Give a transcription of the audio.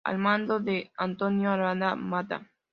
Al mando de Antonio Aranda Mata.